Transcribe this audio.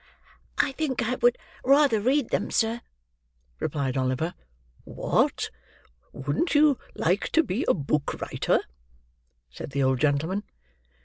"I think I would rather read them, sir," replied Oliver. "What! wouldn't you like to be a book writer?" said the old gentleman.